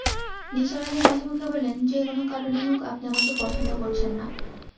নিসার আলি হাসিমুখে বললেন, যে-কোনো কারণেই হোক, আপনি আমাকে পছন্দ করছেন না।